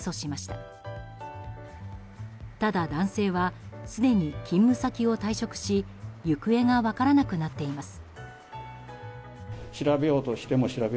ただ、男性はすでに勤務先を退職し行方が分からなくなっています。